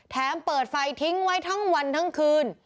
เปิดไฟทิ้งไว้ทั้งวันทั้งคืน